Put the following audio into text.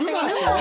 ね。